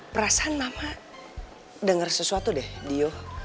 perasaan lama denger sesuatu deh dio